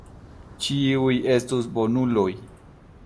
Ĉiuj estu bonuloj.